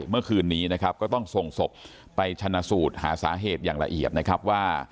เมื่อคืนนี้นะครับก็ต้องส่งศพไปชนะสูตรหาสาเหตุอย่างละเอียดนะครับว่า